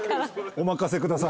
お任せください。